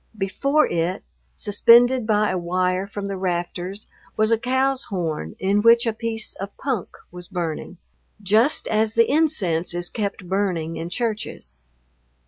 Before it, suspended by a wire from the rafters, was a cow's horn in which a piece of punk was burning, just as the incense is kept burning in churches.